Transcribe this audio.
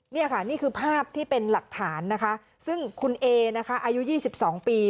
นี่ค่ะนี่คือภาพที่เป็นหลักฐานนะคะซึ่งคุณเอนะคะอายุ๒๒ปี